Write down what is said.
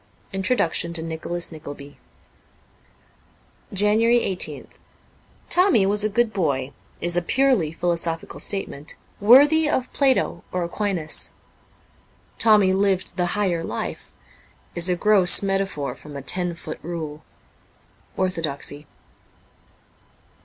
Introduction to ' Nicholas Nickleby.'' 18 JANUARY 1 8th TOMMY was a good boy ' is a purely philo sophical statement, worthy of Plato or Aquinas. * Tommy lived the higher life * is a gross metaphor from a ten foot rule. ' Orthodoxy.''